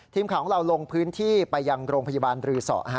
ทีมข่าวของเราลงพื้นที่ไปยังโรงพยาบาลรือสอ